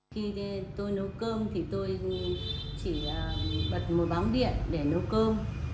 khi tôi nấu cơm thì tôi chỉ bật một bám điện để nấu cơm